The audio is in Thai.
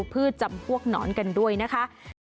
จำพวกหนอนกันด้วยนะคะ